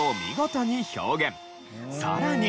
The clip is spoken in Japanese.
さらに。